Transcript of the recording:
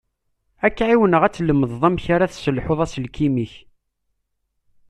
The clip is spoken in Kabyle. Ad k-εiwneɣ ad tlemdeḍ amek ara tesselḥuḍ aselkim-ik.